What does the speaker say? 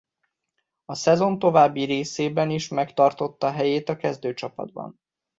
A szezon további részében is megtartotta helyét a kezdőcsapatban.